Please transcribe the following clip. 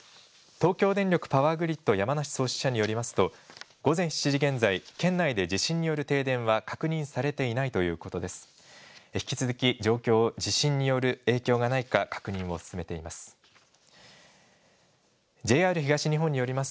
東京電力パワーグリッド山梨総支社によりますと、午前７時現在、県内で地震による停電は確認されていないということです。